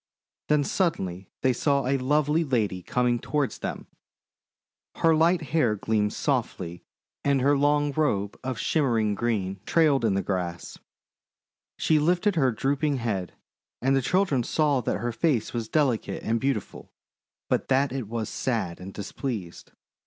Then suddenly they saw a lovely lady coming toward them. Her light hair 8 THE WONDER GARDEN gleamed softly and her long robe of shimmer ing green trailed in the grass. She lifted her drooping head, and the children saw that her face was delicate and beautiful, but that it was sad and displeased.